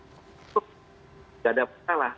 itu tidak ada masalah